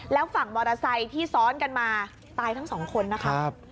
แล้วฝั่งมอเตอร์ไซค์ที่ซ้อนกันมาตายทั้งสองคนนะครับ